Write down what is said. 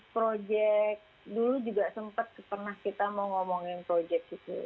proyek dulu juga sempat pernah kita mau ngomongin project gitu